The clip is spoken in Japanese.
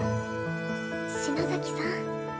篠崎さん。